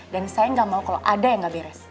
dan saya nggak mau kalau ada yang nggak beres